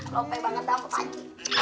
lope banget dapet pak aji